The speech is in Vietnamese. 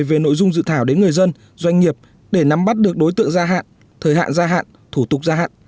về nội dung dự thảo đến người dân doanh nghiệp để nắm bắt được đối tượng gia hạn thời hạn gia hạn thủ tục gia hạn